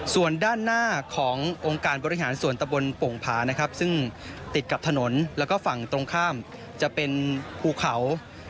ส่วนด้านหน้าขององค์การบริหารส่วนตะบนโป่งผานะครับซึ่งติดกับถนนแล้วก็ฝั่งตรงข้ามจะเป็นภูเขา